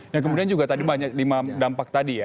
yang kemudian juga tadi banyak lima dampak tadi ya